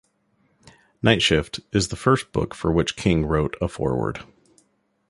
"Night Shift" is the first book for which King wrote a foreword.